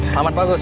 selamat pak gus